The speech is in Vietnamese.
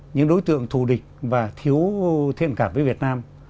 những đối tượng thù địch và thiếu thiện cảm với việt nam